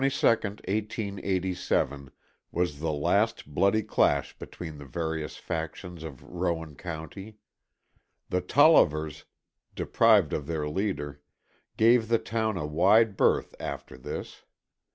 The battle of June 22nd, 1887, was the last bloody clash between the various factions of Rowan County. The Tollivers, deprived of their leader, gave the town a wide berth after this.